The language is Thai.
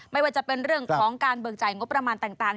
ไม่ว่าจะเป็นเรื่องของการเบิกจ่ายงบประมาณต่าง